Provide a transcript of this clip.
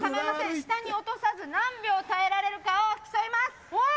下に落とさず何秒耐えられるかを競います。